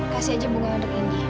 kasih aja bunga untuk ini